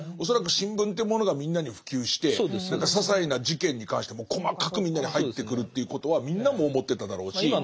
恐らく新聞というものがみんなに普及して何かささいな事件に関しても細かくみんなに入ってくるということはみんなも思ってただろうし。